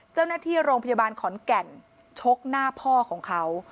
เจ้าหน้าที่โรงพยาบาลขอนแก่นชกหน้าพ่อของเขา